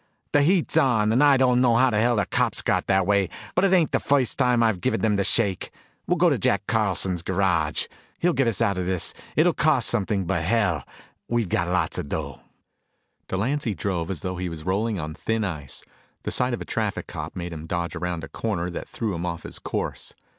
"The heat's on, and I don't know how the hell the cops got that way, but it ain't the first time I've given them the shake. We'll go to Jack Carlson's garage. He'll get us out of this. It'll cost something, but hell, we've got lots of dough." Delancy drove as though he was rolling on thin ice. The sight of a traffic cop made him dodge around a corner that threw him off his course.